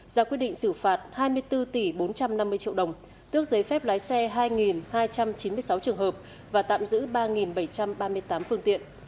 ra quyết định xử phạt hai mươi bốn tỷ bốn trăm năm mươi triệu đồng tước giấy phép lái xe hai hai trăm chín mươi sáu trường hợp và tạm giữ ba bảy trăm ba mươi tám phương tiện